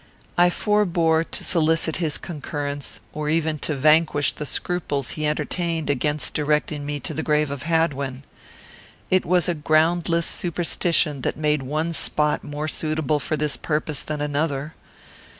I forbore to solicit his concurrence, or even to vanquish the scruples he entertained against directing me to the grave of Hadwin. It was a groundless superstition that made one spot more suitable for this purpose than another.